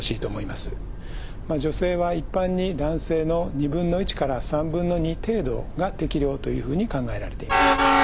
まあ女性は一般に男性の２分の１から３分の２程度が適量というふうに考えられています。